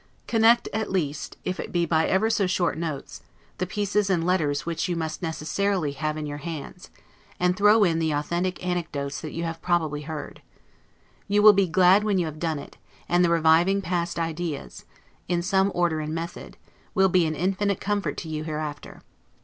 Connect, at least, if it be by ever so short notes, the pieces and letters which you must necessarily have in your hands, and throw in the authentic anecdotes that you have probably heard. You will be glad when you have done it: and the reviving past ideas, in some order and method, will be an infinite comfort to you hereafter.